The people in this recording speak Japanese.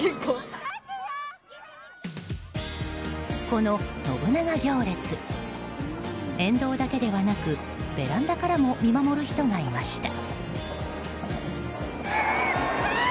この信長行列沿道だけではなくベランダからも見守る人がいました。